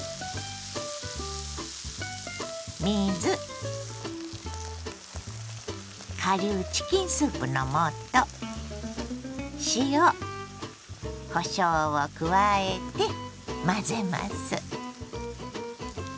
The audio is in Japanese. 水顆粒チキンスープの素塩こしょうを加えて混ぜます。